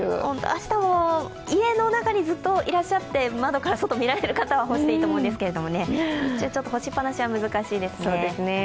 明日も家の中にずっといらっしゃって窓から外を見られる方は干してもいいと思うんですけど、欲しっぱなしは難しいですね。